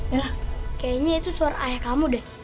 yalah kayaknya itu suara ayah kamu deh